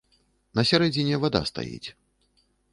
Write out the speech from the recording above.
На сярэдзіне вада стаіць.